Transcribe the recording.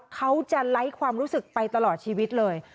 เขาจะไร้ความรู้สึกไปตลอดชีวิตเลย